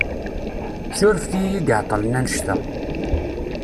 Surfet-iyi i iεeṭṭlen annect-a.